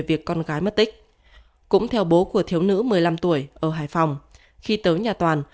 việc con gái mất tích cũng theo bố của thiếu nữ một mươi năm tuổi ở hải phòng khi tới nhà toàn